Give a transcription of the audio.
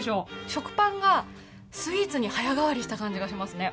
食パンが、スイーツに早変わりした感じがしますね。